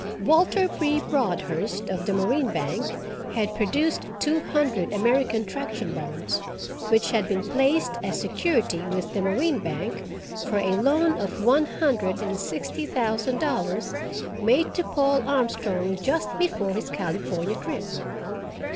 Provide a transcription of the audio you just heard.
Walter P. Broadhurst, of the Marine Bank, had produced two hundred American Traction bonds, which had been placed as security with the Marine Bank for a loan of one hundred and sixty thousand dollars, made to Paul Armstrong, just before his California trip.